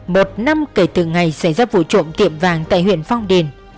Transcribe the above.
một năm kể từ ngày xảy ra vụ trộm tiệm vàng tại huyện phong điền